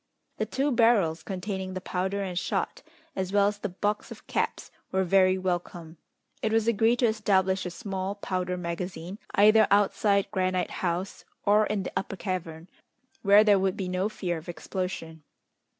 The two barrels, containing the powder and shot, as well as the box of caps, were very welcome. It was agreed to establish a small powder magazine, either outside Granite House or in the Upper Cavern, where there would be no fear of explosion.